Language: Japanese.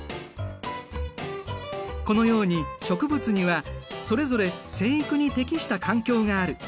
このように植物にはそれぞれ生育に適した環境がある。